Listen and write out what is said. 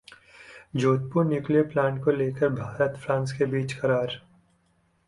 Jaitpur nuclear plant को लेकर भारत-फ्रांस के बीच करार